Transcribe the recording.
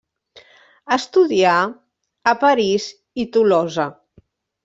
Estudià a París i Tolosa.